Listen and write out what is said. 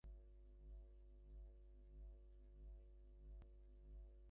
তবে বোতামের সেট পরিবর্তনের আগে বিভিন্ন মার্কেট খুঁজে দেখা যেতে পারে।